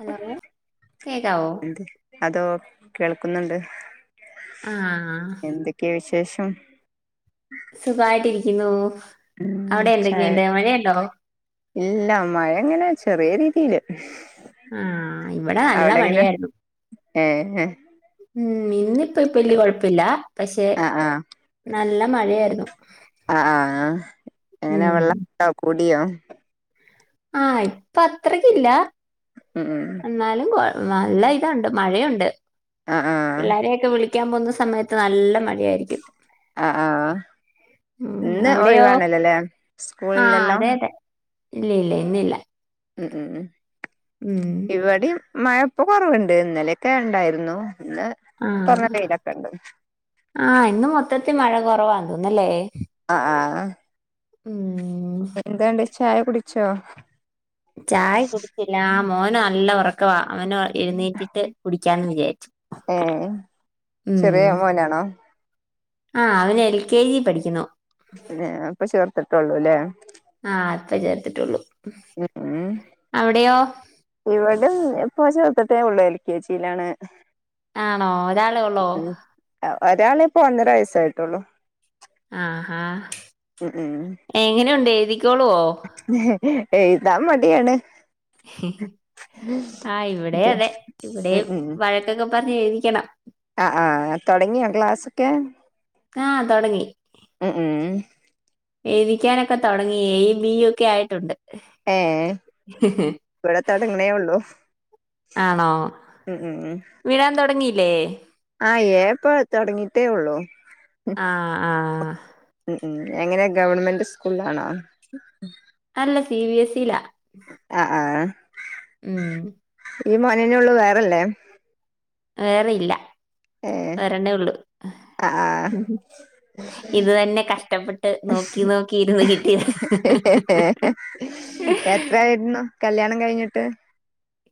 Hello കേക്കാവോ അതോ കേൾ ക്കുന്നുണ്ട് ആഹ് എന്തൊക്കെയ വിശേഷം [unintelligible] [unintelligible] അവിടെ ചായ എന്തൊക്കെയുണ്ട് മഴയുണ്ടോ ഇല്ല മഴ ഇങ്ങനെ ചെറിയ രീതി [unintelligible] ആഹ് ഇവിടെ നല്ല മഴയായിരുന്നു ഏ ഉം ഇന്നിപ്പ ഇപ്പ വല്യ കൊഴപ്പില്ല പക്ഷെ നല്ല മഴയായിരുന്നു ആഹ് ആഹ് എങ്ങനെ ഉം വെള്ളവൊക്കെ കൂടിയോ [inaudible] ആഹ് ഇപ്പ അത്രക്കില്ല ഉം ഉം എന്നാലും കൊ നല്ല ഇതണ്ട് മഴയുണ്ട് ആ ആ എല്ലാരെയൊക്കെ വിളി ക്കാൻ പോകുന്ന സമയത്ത് നല്ല മഴയായിരിക്കും ആഹ് ആഹ് ഉം ഇന്ന് അവിടെയോ ഒഴിവാണല്ലല്ലേ സ്കൂൾ ആഹ് ഇല്ലല്ലോ അതെ അതെ ഇല്ല ഇല്ല ഇന്ന് ഇല്ല ഉം ഉം ഉം ഇവിടീം മഴ ഇപ്പൊ കുറവ്ണ്ട് ഇന്നലെയൊക്കെ ഇണ്ടായിരുന്നു ഇന്ന് കുറെ പെയ്തിട്ട്ണ്ട് ആ ഇന്ന് മൊത്തത്തിൽ മഴ കുറവാ ന്തോന്നല്ലേ അ ആ ഉം എന്താണ്ട് ചായ കുടിച്ചോ? ചായ കുടിച്ചില്ല മോന് നല്ല ഉറക്കവാ അവന് എഴുന്നേറ്റിട്ട് കുടിക്കാന്ന് വിചാരിച്ചു ഏ ഉം ചെറിയ മോനാണോ ആ അവന് എൽ കെ ജി പഠിക്കുന്നു എ ഇപ്പൊ ചേർത്തിട്ടൊള്ളൂ ല്ലേ? ആ ഇപ്പ ചേർത്തിട്ടുള്ളൂ [unintelligible] അവിടെയോ ഇവടേം ഇപ്പൊ ചേർ ട്ടേ ഒള്ളെ എൽ കെ ജിലാണ് ആണോ ഒരാളെ ഉള്ളോ ഒരാള് ഇപ്പൊ ഒന്നര വയസ സെ ആയിട്ടുള്ളൂ ആ ഹാ എങ്ങനെയുണ്ട് എഴുതിക്കോളുവോ എഴുതാൻ മടിയാണ് ആ ഇവിടേ പി അതേ ഉം ഇവിടേം ഉം വഴക്കൊക്കെ പ പറഞ് എഴുതിക്കണം ആ ആ തുടങ്യോ ക്ലാസൊക്കെ ആ തൊടങ്ങി എഴുതിക്കാനൊക്കെ തൊടങ്ങി എയും ബി ഒക്കെ ആയിട്ടുണ്ട് ഏ ഇവിടെ തുടങ്ങണേ ഉള്ളൂ ആണോ ഉം ഉം ലേ ആ എ ഇപ്പോ തൊടങ്ങിട്ടേ ഉള്ളു ആ ആ ഉം ഉം എങ്ങനെ ഗവൺമെന്റ് സ്കൂളിലാണോ ല്ല സി ബി എസിലാ ആ ആ ഉം ഈ മോനന്നേ ഉള്ളു വേറെല്ലേ? വേറെ ഇല്ല. ഒരെണ്ണേ ഉള്ളൂ ആ ആ ഇത് തന്നെ കഷ്ട്ടപ്പെട്ട് നോക്കി നോക്കി ഇരുന്നു കിട്ടിയതാ എത്രായിരുന്നു കല്യാണം കഴിഞ്ഞിട്ട്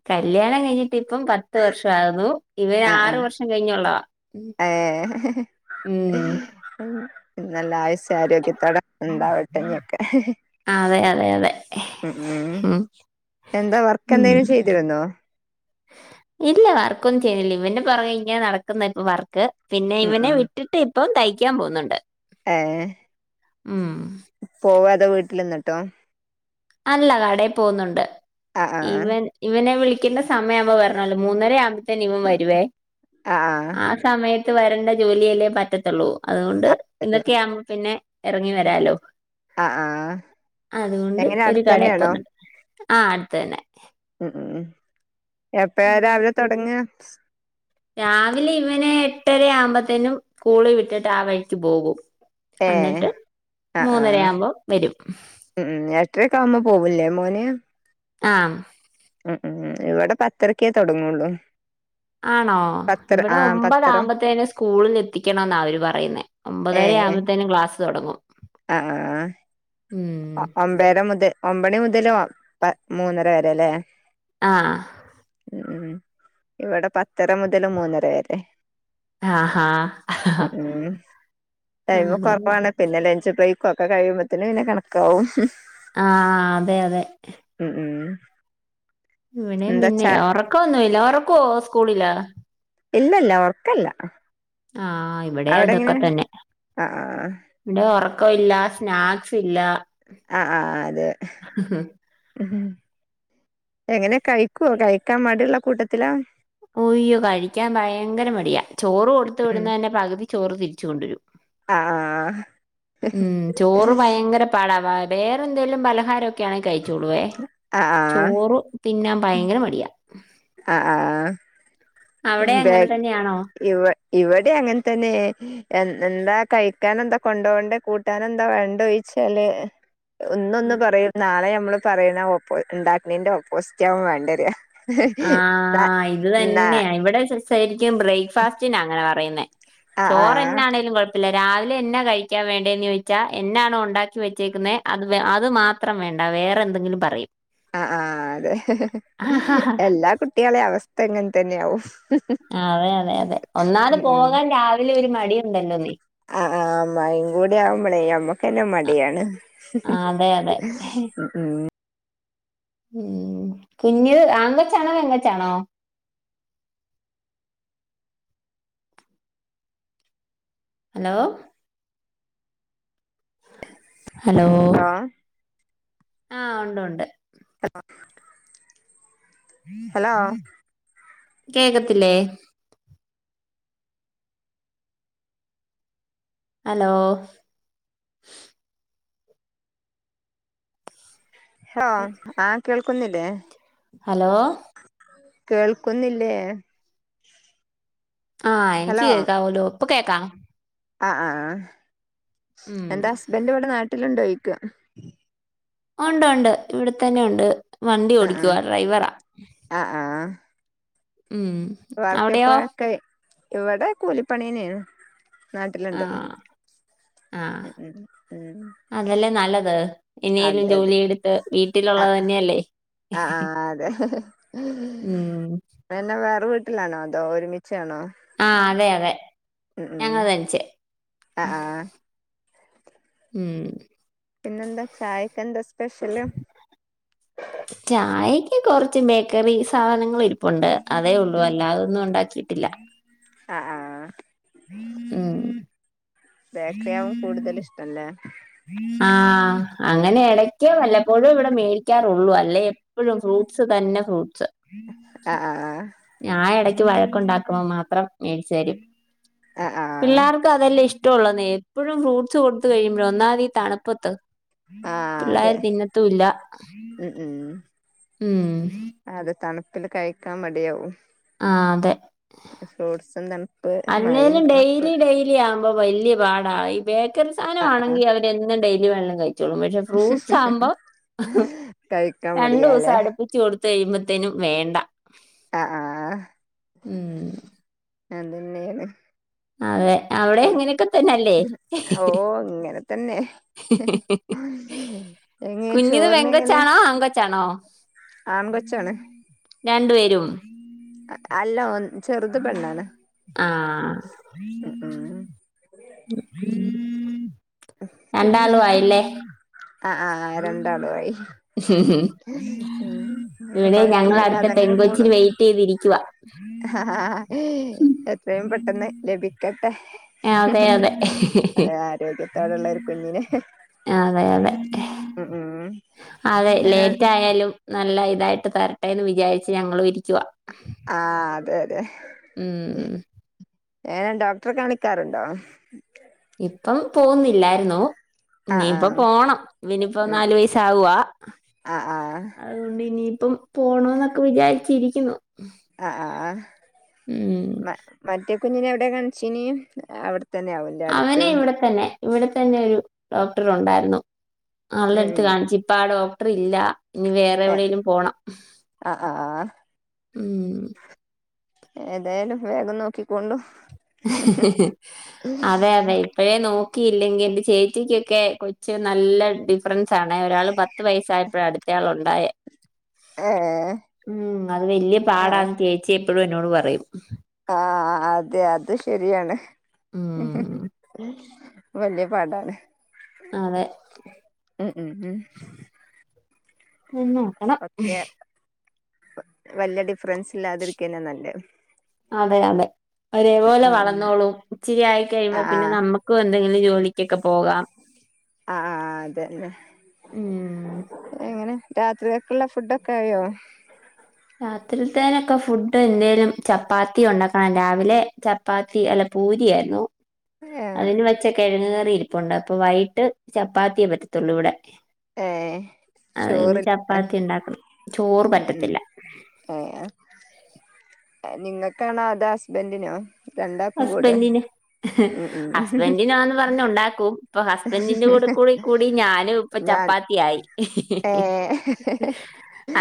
കല്ല്യാണം കഴിഞ്ഞി ട്ടിപ്പം പത്ത് വർഷം ആവുന്നു. ഇവൻ ആ ആ ആറ് വർഷം കഴിഞ്ഞുള്ളതാ, ഏ ഉം പിന്നല്ലാ ആയുസ് ആരോഗ്യത്തോടെ ഉണ്ടാവട്ടെന്ന് വെക്ക് ഹ് ഹ് അതെ അതെ അതെ ഉം ഉം എന്താ വർക്ക് ഉം. എന്തെലും ചെയ്തിരുന്നോ? ഇല്ല വർക്കൊന്നും ചെയ്തില്ല ഇവന്റെ പെറകെ ഇങ്ങനെ നടക്കുന്നെ ഇപ്പോ വർ ക്ക് പിന്നെ ഉം ഇവനെ ഉം വിട്ടിട്ട് ഇപ്പം തയ് ക്കാൻ പോവുന്നുണ്ട്. ഏ പോവ എന്ത വീട്ടിൽന്നിട്ടോ അല്ല കടെ പോവുന്നുണ്ട്. ആ ആ ഇവൻ ഇവനെ വിളി ക്കിന്ന സമയം ആവ്മ്പോ വരണല്ലോ മൂന്നര യാ തനേം ഇവൻ വരുവേ ആ സമയ ത്ത് വരണ്ട ജോലിയല്ലേ പറ്റത്തൊള്ളൂ അതുകൊണ്ട് ആ ഇന്നൊക്കെയാവുമ്പ പിന്നെ എറങ്ങി വരാലോ അ അ ആഹ് എങ്ങനെ അട് കാടെപൊന്നോ ആ അടുത്തന്നെ മ് മ് എപ്പഴ അങ്ങനെ രാവിലെ തൊടങ്ങാ ട്ടര ആമ്പത്തേനും സ്കൂളി വിട്ടിട്ട് ആ വഴിക്ക് പോകും ഏ അന്നിട്ട് ആ ആ മൂന്നര ആമ്പോ വരും ട്ട്ര ക്കെ ആവുബോ പോവൂല്ലേ മോന് ആ ഉം ഉം ഉം ഇവിടെ പത്തരക്കെ തൊ ടങൊള്ളൂ ആണോ ഇവിടെ ഒമ്പതാമ്പത്തേനും സ്കൂളിൽ എത്തിക്കണോന്ന അവര് പറയ്ന്നെ ഒമ്പതര ആവുമ്പോത്തേനും ക്ലാസ്സ് തുടങ്ങും അ അ ഉം ആ അ ഒമ്പേര മുതൽ ഒ പണി മുതലുവ പ മൂന്നര വരെ ല്ലേ ആഹ് ഉം ഇവിടെ പത്തര മുതല് മൂന്നര വരെ ആഹാ മ് മ്മ്ഹ് ടൈമ് അത് കൊള്ളാം കുറവാണ് പിന്നെ ലഞ്ച് ബ്രേക്ക് ഒക്കകഴിയുംപത്തിന് പിന്നെ കട ക്കവും ഹ് ഹ് ആഹ അതെ അതെ ഉം ഉം ഇവിടേം പിന്നെ എന്താച്ചാ ഉറക്കൊന്നുല്ല ഉറക്കോ സ്കൂളിലാ ഇല്ലല്ല ഒറക്കല്ല ആഹ ഇവിടേം അവിടെ എങ്ങനെ അതൊക്കെ തന്നെ ആഹ് ആഹ് ന്റെ ഒർ ക്കോം ഇല്ല സ്നാക്സ് ഇല്ല അ അ ആ അതെ എങ്ങനെ കഴിക്കൊ കഴിക്കാൻ മടിള്ള കൂട്ടത്തിലാ ഒയ്യോ കഴിക്കാൻ ഭയങ്കര മടിയാ ചോറ് കൊട്ത്തവിട്ന്നന്നെ പക് തി ചോറ്തിരിച്ച് കൊണ്ടരും ആ ഉം ചോറ് ഭയങ്കര പാടാവാ വേറെ എന്തേലും പലഹാരൊ [unintelligible] കഴിച്ചോള്ളേ ആഹ് ആഹ് ചോറ് തിന്നാം ഭയങ്കര മടിയാ ആ ആ അവിടെ മ് അങ്ങനെ ബാഗ് തന്നെയാണോ ഇവ ഇവടീം അങ്ങന തന്നേ എന്താ കഴിക്കാനെന്താ കൊണ്ടോ കണ്ടേ കൂട്ടാനെന്താ വേണ്ടേ ചോഴിച്ചാല് ഇന്നൊന്ന് പറയും നാളെ നമ്മള് പറയുന്ന ഓപ്പോ ഉണ്ടാക്കിണീന്റെ ഓപ്പോസ്റ്റ് ആവും വേണ്ടെ ര ആ ഇത് തന്നെയ ഇവടെ സിസ് ശരി ബ്രേക്ക്ഫാസ്റ്റ് അങ്ങന പറയുന്നേ ആ ആ ചോറെന്നേണേലുംകുഴ [unintelligible] രാവിലെ എന്നാ കഴിക്കാൻ വേണ്ടേന്ന് ചോയിച്ചാ എന്നാണോ ഉണ്ടാക്കി വെച്ചേക്കുന്നേഅത് വേ അത് മാത്രം വേണ്ട വേറെ എന്തെങ്കിലും പറയും ആ ആ അതെ എല്ലാ കുട്ട് കുട്ടികളെ അവസ്ഥ ഇങ്ങനെ തന്നെയാവും അതെ അതെ അതെ ഒന്നാമത് ഉം ഉം പോകാൻ രാവിലെ ഒരു മടിയുണ്ടല്ലോ നീ ആ ആ മഴിം കൂടി ആവുമ്പോളേ അമ്മക്കന്നെ മടിയാണ് ആ അതെ അതെ ഉം ഉം ഉം കുഞ്ഞ് ആൺകൊച്ചാണോ പെൺകൊച്ചാണോ? ഹലോ ഹലോ ആ ആ ഉണ്ട് ഉണ്ട് ആ [unintelligible] കേക്കത്തില്ലേ ഹലോ ഹലോ ആ കേൾ- കേക്കുന്നില്ലേ ഹലോ കേൾക്കുന്നില്ലേ ആ എനിക്ക് കേൾക്കാവല്ലോ ഇപ്പൊ കേക്കാം ആ-ആ-ആ ഉം എൻ്റെ ഹസ്ബൻഡ് ഇവിടെ നാട്ട്- [unintelligible] ട്ടിലിണ്ടായിക്ക ഒണ്ട്-ഒണ്ട് ഇവിടെ തന്നെ ഒണ്ട് വണ്ടി ആ ആ ഓടിക്കുവാ ഡ്രൈവറാ ആ ആ ഉം വർക്ക് അവിടെയോ എപ്പോഴൊക്കെ ഇവിടെ കൂലിപ്പണിന്നയാണ് ആ നാട്ടിലിണ്ട് ആ മ്ഹ് ഉം ഇനേലും അതെ അതെ ജോലി എടുത്ത് ആ വീട്ടിലൊള്ളതന്നെയല്ലേ പിന്നെ വേറെ- ടിലാണോ അതോ ഒരുമി ആഹ് അതെ-അതെ ഉം ഉം ഞങ്ങൾ തനിച്ച് ആ ആ ഉം പിന്നെന്താ ചായക്കെന്താ സ്പെഷ്യല് ഈ കൊറച്ച് ബേക്കറി സാധനങ്ങള് ഇരിപ്പുണ്ട് അതേ ഉള്ളൂ അല്ലാതൊന്നും ഉണ്ടാക്കിയി - ഇല്ല അ ആ ഉം ബേക്കറിയാവും കൂടുതല് ഇഷ്ടല്ലേ ആ അങ്ങനെ ഇടക്കേ വല്ലപ്പോഴു ഇവിടെ മേടിക്കാറുള്ളൂ അല്ലേ എപ്പഴും ഫ്രൂട്ട്സ് തന്നെ ഫ്രൂട്ട്സ് ആഹ് ആഹ് ആഹ് ഞാ ഇടയ്ക്ക് വഴക്കുണ്ടാക്കുമ്പോ മാത്രം മേടിച്ചരും. ആ ആ പിള്ളാർക്കു അതല്ലേ ഇഷ് ടോള്ളോന്നേ എപ്പോഴും ഫ്രൂട്ട്സ് കൊടുത്ത് കഴിയുമ്പഴ് ഒന്നാത് ഈ തണുപ്പത്ത് ആ അതെ പിള്ളേര് തിന്നത്തൂ ഇല്ല. ഉം ഉം ഉം പ്പില് കഴിക്കാൻ മടിയാവും. ആ അതെ ഫ്രൂട്ട്സ് എന്താണ്? അല്ലേലും ഡെയ്‌ലി ഡെയിലിയാ വുമ്പോ വല്ല്യ പാടാ. ഈ ബേക് കറി ആ ആ സാധാനാണെങ്കി അവരെന്നും ഡെയ്‌ ലി വെല്ലോം കയി ച്ചോളും. പക്ഷെ ഫ്രൂട്ട്സ് ആവുമ്പം കഴിക്കാൻ രണ്ടു ദിവസം മടിയാല്ലേ അടുപ്പിച്ച് കൊടുത്ത് [unintelligible] ത്തേനും വേണ്ട. ആ ആ ആ ഉം അതന്നെയാണ്. അതെ അവിടെ അങ്ങനെയൊക്കെ തന്നല്ലേ? ഓ ഇങ്ങനെ തന്നെ. എങ്ങനെ കുഞ്ഞിത് ചോറിന് എങ്ങനെയാ? പെങ്കൊച്ചാണോ ആങ്കൊച്ചാണോ? ആൺ കൊച്ചാണ്. രണ്ടു പേരും അല്ല ഒന് ആ ഉം ഉം രണ്ടാളും പിന്നെന്താ ആയില്ലേ? ആ ആ രണ്ടാളും ആയി. ഇവിടെ ഞങ്ങൾ അടുത്ത കൊഴപ്പൊന്നില്ലാതങ്ങനെ പോണു. പെങ്കൊച്ചിന് വെയിറ്റ് ചെയ്തിരിക്കുവാ. ആ എത്രയും പെട്ടെന്ന് ലഭിക്കട്ടെ. അതെ അതെ അത് ആരോഗ്യത്തോടെയുള്ള ഒരു കുഞ്ഞിനെ അതെ അതെ. മ് മ് അതെ ലേറ്റ് ആയാലും നല്ല ഇതായിട്ട് തരട്ടേന്ന് വിചാരിച്ച് ഞങ്ങളും ഇരിക്കുവാ. ആ അതെ ഉം ഏതേലും ഡോക്ടറെ കാണിക്കാറുണ്ടോ? ഇപ്പം പോന്നില്ലായിരുന്നു. ആ ആ ഇനിയിപ്പം പോണം. ഇവനിപ്പോ ഉം നാലു വയസ് ആവുവാ. ആ ആ അത് കൊണ്ട് ഇനി ഇപ്പം പോണോന്നൊക്കെ വിചാരിച്ചിരിക്കുന്നു. ആ ആ ആ ഉം കുഞ്ഞിനെ എവിടെ കാണിച്ചിന് അവിട തന്നെ അവന്റെ അടുത്ത അവന് ഇവിടെ തന്നെ ഇവിടെ തന്നെ ഒരു ഡോക്ടർ ഉണ്ടായിരുന്നു അവൾടെടുത്ത് ഉം കാണിച്ചു ഇപ്പ ആ ഡോക് റില്ല ഇനി വേറെ ഏ എവിടെലും പോണം ആഹ് ആഹ് ഉം ഏതായാലും വേഗം നോക്കിക്കൊണ്ടു അതെ അതെ ഇപ്പഴേ നോ ക്കിയില്ലെങ്കിൽ എന്റെ ചേച്ചിക്കൊക്കെ കൊച്ച നല്ല ഫറൻസ് ആാണ് ഒരാൾ പത്ത് വയസ്സായപ്പോഴ അടുത്ത ആളുണ്ട് ഉണ്ടായെ ഏ ഉം അത് വല്ല്യ പാടാന്ന് ചേച്ചി. എപ്പോഴും എന്നോട് പറയും ആഹ അതെ അത് ശരിയാണ്. ഉം [unintelligible] വലിയ പാടാണ് അതെ ഉം ഉം നന്ന് നോക്കണം. വല്ലടി ഫ്രണ്ട്സ് ഇല്ലാതിരിക്കന്നെ നല്ലേ. അതെ അതെ ഒരേപോലെ ഉം ഉം വളന്നോളും ഇച്ചിരിയായി കഴിയുമ്പോ പിന്നെ നമുക്കു എന്തെ ജോലിക്കൊക്ക ആ അതന്നെ എങ്ങനെ? രാത്രിയേക്ക്‌ള്ള ഫുഡ് ഒക്കെ ആയോ? രാത്രിത്തേനൊക്കെ ഫുഡ് എന്തേലും ചപ്പാത്തി ഉണ്ടാക്കണം രാവിലെ ചപ്പാത്തി അല്ല പൂരിയായിരുന്നു. ഏഹ് അതിന് വെച്ചക്കെഴങ്ങ് കറി പ്പണ്ട് അപ്പ വൈകിട്ട് ചപ്പാത്തിയേ പറ്റത്തുള്ളൂ ഇവിടെ. ഏഹ് അതുകണ്ട് ചോറില്ലേ ചപ്പാത്തി ഉണ്ടാക്കണം ചോറ് ഉം പറ്റത്തില്ല [unintelligible] നിങ്ങൾക്കാണോ? അതാ ഹസ്ബൻറിനോ? ഹസ്ബൻറിന് ഉം ഉം ഹസ്ബൻറിിനാന്ന് പറഞ്ഞ ഉണ്ടാക്കൂ ഇപ്പൊ ഹസ്ബൻറിന്റെ കൂടെ കൂടി കൂടി ഞാനും ഇപ്പ ഞാൻ ചപ്പാത്തിയായി [unintelligible] ഏഹ്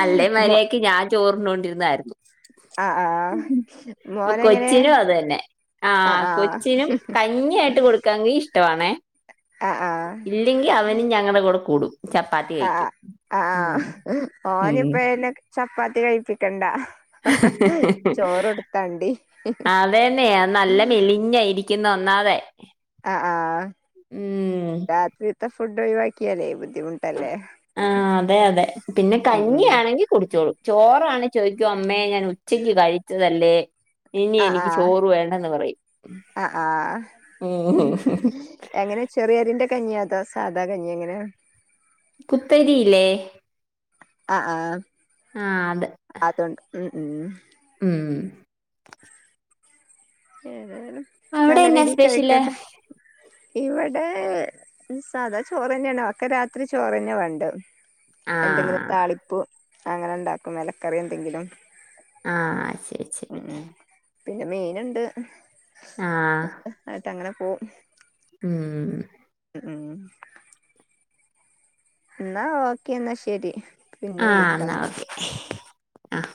അല്ലേ മര്യാക്ക് ഞാൻ ചോറിണണ്ട് ആ ആ മോനങ്ങനെ? ആഹ കൊച്ചിനും കഞ്ഞിയായിട്ട് കൊടുക്കാങ്കി ഇഷ്ടണേ ആഹ് ആഹ് ഇല്ലെങ്കിൽ അവനും ഞങ്ങളുടെ കൂടെ കൂടും ചപ്പാത്തി ആഹ് കഴിക്കും ആഹ് ആഹ് ഓനിപ്പഴന്നെ ചപ്പാത്തി കഴിപ്പിക്കണ്ട [unintelligible] ചോറൊടുത്താണ്ടി അതന്നെയ നല്ല മെലിഞ്ഞായിരിക്ക ഇുന്നു ഒന്നാതെ ആ ആഹ് ഉം രാത്രിത്തെ ഫുഡ് കേറിയേ [unintelligible] ആ അതെ അതെ പിന്നെ ഉം ഉം കഞ്ഞിയാണെങ്കി കുടിച്ചോളും ചോറാണ് ചോദിക്കും അമ്മേ ഞാൻ ഉച്ചയ്ക്ക് കഴിച്ചതല്ലേ ഇനി ആ ആ എനിക്ക് ചോറ് വേണ്ടെന്ന് പറയും ആ ആ ഉം എങ്ങനെ ചെറിയരിന്റെ കഞ്ഞിയ സാധാ കഞ്ഞി എങ്ങിന്യ കുത്തരില്ലേ ആ ആ് അത് അതൊണ്ട് ഉം ഉം ഉം ഉം [unintelligible] അവിടെ നല്ല എന്നാ രീതിൽ സ്പെഷ്യല് കഴിക്കട്ടെ ഇവിടെ സാധാ ചോറന്നെയണ ഒക്കെ രാത്രി ചോറന്നെ വേണ്ടേ ആ എന്തെങ്കിലെ താളിപ്പ് അങ്ങനെ ഉണ്ടാക്കും എലക്കറി എന്തെങ്കിലും ആഹ ശരി ഉം ശരി ഉം പിന്നെ മീന്ണ്ട് [unintelligible] ആ [unintelligible] അങ്ങനെ [unintelligible] ഉം ഉം [unintelligible] എന്നാ ഓക്കേ എന്നാ ശരി പിന്നെ ആഹ എന്നാ വിളിക്കന്ന ഓക്കെ ആഹ്